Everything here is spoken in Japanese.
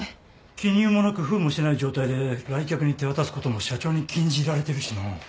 記入もなく封もしてない状態で来客に手渡すことも社長に禁じられてるしな。